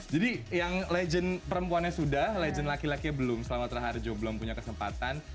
jadi yang legend perempuannya sudah legend laki laki yang belum selamat raharjo belum punya kesempatan